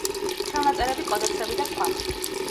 ხელნაწერები, კოდექსები და სხვა.